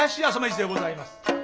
二でございます。